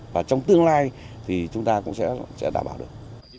và trong tương lai thì chúng ta cũng sẽ đảm bảo được